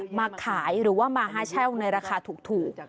ก็เลยนำอุปกรณ์เหล่านี้มาขายหรือว่ามาห้าแชลในราคาถูก